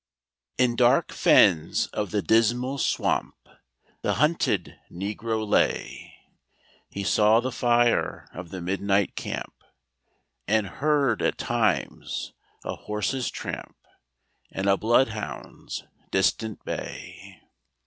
In dark fens of the Dismal Swamp The hunted Negro lay; He saw the fire of the midnight camp, And heard at times a horse's tramp And a bloodhound's distant bay.